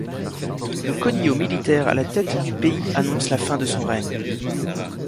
Le caudillo militaire à la tête du pays annonce la fin de son règne.